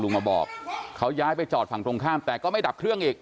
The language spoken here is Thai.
มาบอกเขาย้ายไปจอดฝั่งตรงข้ามแต่ก็ไม่ดับเครื่องอีก